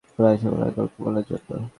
বাইরের মানুষের কাছে তোমার গল্প বলার জন্য।